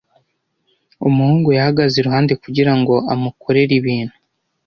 Umuhungu yahagaze iruhande kugirango amukorere ibintu.